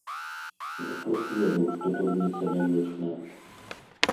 І хто ж ведаў, што дурніца не вечная?